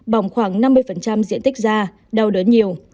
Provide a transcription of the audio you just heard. bỏng khoảng năm mươi diện tích da đau đớn nhiều